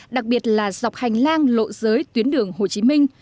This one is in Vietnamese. đặc biệt là dọc hành lang lộ giới tuyến đường hồ chí minh